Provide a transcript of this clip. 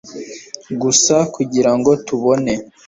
gusa kugirango tubone